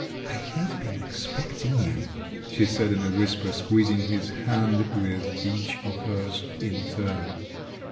"I have been expecting you," she said in a whisper, squeezing his hand with each of hers in turn.